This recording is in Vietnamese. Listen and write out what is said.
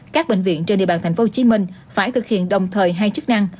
các bệnh viện trên địa bàn tp hcm phải thực hiện đồng thời hai chức năng